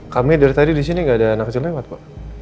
kami dari tadi di sini nggak ada anak kecil lewat pak